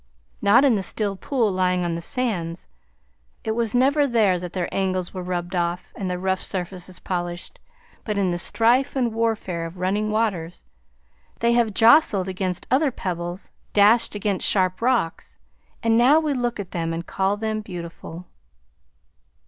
Not in the still pool lying on the sands. It was never there that their angles were rubbed off and their rough surfaces polished, but in the strife and warfare of running waters. They have jostled against other pebbles, dashed against sharp rocks, and now we look at them and call them beautiful."